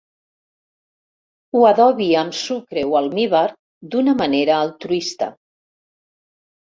Ho adobi amb sucre o almívar d'una manera altruista.